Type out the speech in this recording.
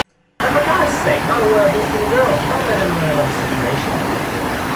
But for God’s sake! Not a word of this to the girls- don’t let them learn about the situation.